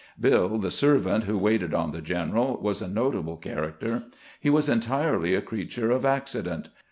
Bill, the servant who waited on the general, was a notable character. He was entirely a creature of acci dent.